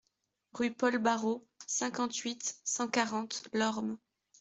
Rue Paul Barreau, cinquante-huit, cent quarante Lormes